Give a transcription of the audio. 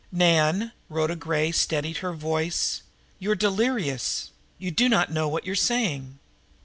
"Nan" Rhoda Gray steadied her voice "you re delirious. You do not know what you are saying.